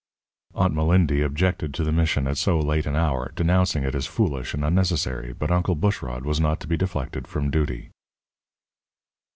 Aunt Malindy objected to the mission at so late an hour, denouncing it as foolish and unnecessary, but Uncle Bushrod was not to be deflected from duty.